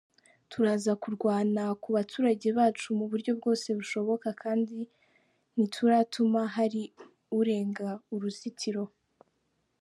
Turaza kurwana ku baturage bacu mu buryo bwose bushoboka kandi ntituratuma hari urenga uruzitiro.